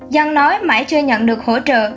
dân nói mãi chưa nhận được hỗ trợ